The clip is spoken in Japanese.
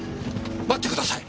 待ってください！